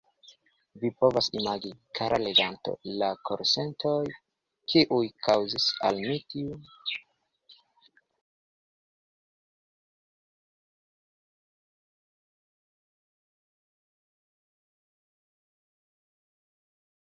Vi povas imagi, kara leganto, la korsentojn, kiujn kaŭzis al mi tiu letero.